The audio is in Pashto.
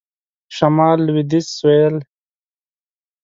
شمال .. لویدیځ .. سوېل ..